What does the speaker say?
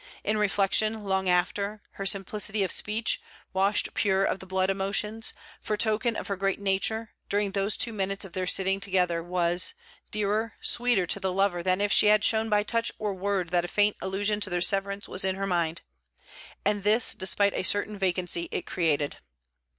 In reflection, long after, her simplicity of speech, washed pure of the blood emotions, for token of her great nature, during those two minutes of their sitting together, was, dearer, sweeter to the lover than if she had shown by touch or word that a faint allusion to their severance was in her mind; and this despite a certain vacancy it created.